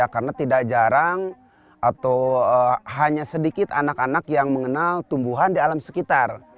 karena tidak jarang atau hanya sedikit anak anak yang mengenal tumbuhan di alam sekitar